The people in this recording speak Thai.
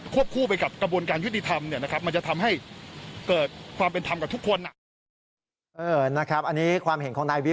คู่ไปกับกระบวนการยุติธรรมมันจะทำให้เกิดความเป็นธรรมกับทุกคน